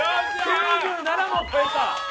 ９７も超えた！